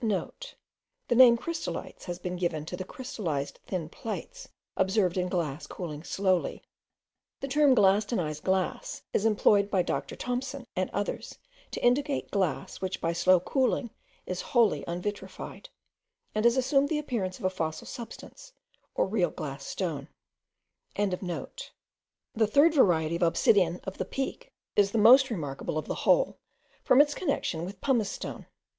*(* The name crystalites has been given to the crystalized thin plates observed in glass cooling slowly. The term glastenized glass is employed by Dr. Thompson and others to indicate glass which by slow cooling is wholly unvitrified, and has assumed the appearance of a fossil substance, or real glass stone.) The third variety of obsidian of the Peak is the most remarkable of the whole, from its connexion with pumice stone.